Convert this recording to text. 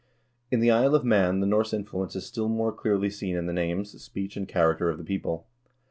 In the Isle of Man the Norse influence is still more clearly seen in the names, speech, and character of the people.